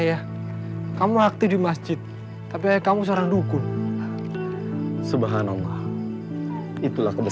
aku tidak pernah memikirkan keamanan milikmu